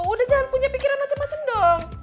udah jangan punya pikiran macem macem dong